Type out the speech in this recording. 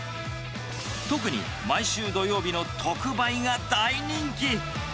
特に毎週土曜日の特売が大人気。